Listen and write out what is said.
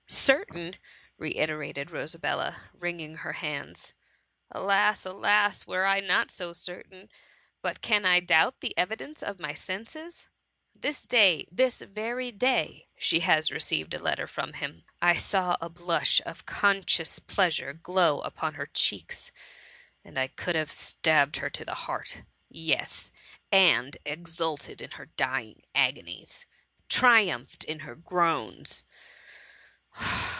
''" Certain !" reiterated Rosabella, wringing her hands ;^^ Alas ! alas ! would I were not so certain ; but can I doubt the evidence of my senses ? This day — this very day ! she has received a letter from him. I saw a blush of conscious pleasure glow upbn her cheeks, and I THE MUMMY. 93 could have stabbed her to the heart, — ^yes, and exulted in her dying agonies— triumphed in her groans.